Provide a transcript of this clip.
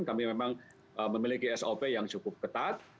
kami memang memiliki sop yang cukup ketat